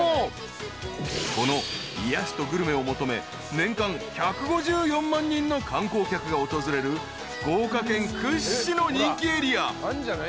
［この癒やしとグルメを求め年間１５４万人の観光客が訪れる福岡県屈指の人気エリア］